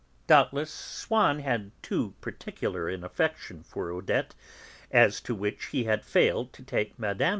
Doubtless Swann had too particular an affection for Odette, as to which he had failed to take Mme.